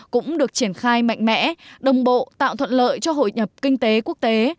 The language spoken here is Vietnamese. cũng được triển khai mạnh mẽ đồng bộ tạo thuận lợi cho hội nhập kinh tế quốc tế